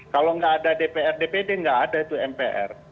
kalau nggak ada dpr dpd nggak ada itu mpr